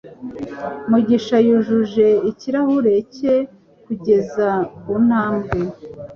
Mugisha yujuje ikirahure cye kugeza kuntambwe